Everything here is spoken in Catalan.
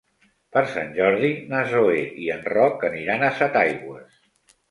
Per Sant Jordi na Zoè i en Roc aniran a Setaigües.